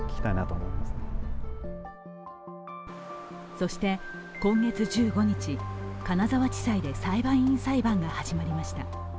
そして今月１５日、金沢地裁で裁判員裁判が始まりました。